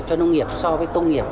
cho nông nghiệp so với công nghiệp